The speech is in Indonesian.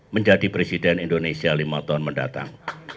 menjadi presiden indonesia lima tahun mendatang